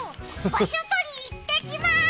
場所取り行ってきます。